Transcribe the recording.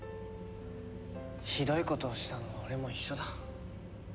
ひどいことをしたのは俺も一緒だ。